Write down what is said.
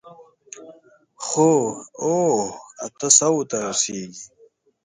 خو، اوو، اتو سووو ته رسېږي.